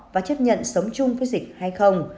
và chấp nhận sống chung với dịch hay không